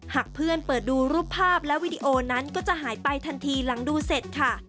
หากเพื่อนเปิดดูรูปภาพและวิดีโอนั้นก็จะหายไปทันทีหลังดูเสร็จค่ะ